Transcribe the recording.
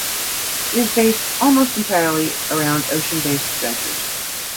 It is based almost entirely around ocean-based adventures.